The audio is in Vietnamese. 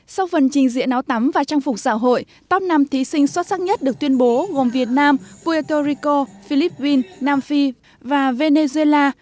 sau phần trình diễn áo tắm và trang phục xã hội top năm thí sinh xuất sắc nhất được tuyên bố gồm việt nam puerto rico philippines nam phi và venezuela